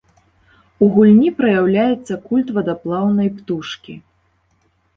У гульні праяўляецца культ вадаплаўнай птушкі.